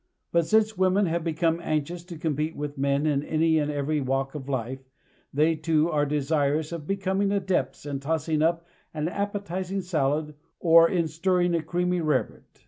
But, since women have become anxious to compete with men in any and every walk of life, they, too, are desirous of becoming adepts in tossing up an appetizing salad or in stirring a creamy rarebit.